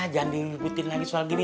jangan diikutin lagi soal gini